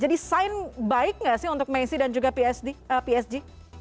jadi sign baik gak sih untuk messi dan juga psg